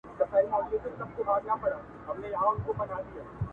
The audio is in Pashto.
د ملي مرکې تر عنوان لاندي